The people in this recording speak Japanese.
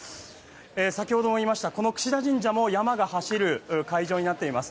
先ほども言いました櫛田神社も山笠が走る会場となります。